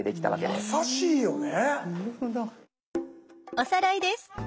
おさらいです。